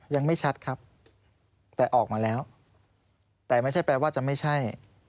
ยังไม่ชัดครับแต่ออกมาแล้วแต่ไม่ใช่แปลว่าจะไม่ใช่